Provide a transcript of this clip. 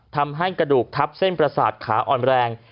ทำให้กระดูกทับเส้นประสาทขาอ่อนแรง